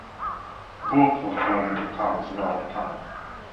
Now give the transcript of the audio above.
Bourque was born in Ottawa's Lower Town.